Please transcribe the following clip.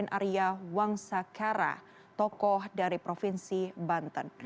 dan almarhum raden arya wangsakara tokoh dari provinsi banten